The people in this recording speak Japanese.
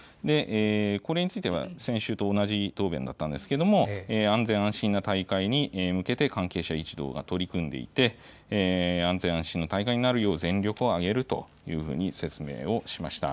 これについては先週と同じ答弁だったんですけれども、安全安心な大会に向けて関係者一同が取り組んでいて、安全安心な大会になるよう全力を挙げるというふうに説明をしました。